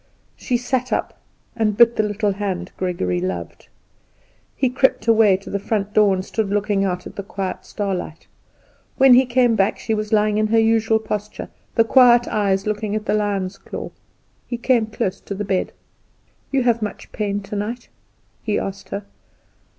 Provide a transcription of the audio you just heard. She sat up, and bit the little hand Gregory loved. He crept away to the front door, and stood looking out at the quiet starlight. When he came back she was lying in her usual posture, the quiet eyes looking at the lion's claw. He came close to the bed. "You have much pain tonight?" he asked her.